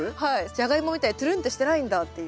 ジャガイモみたいにトゥルンってしてないんだっていう。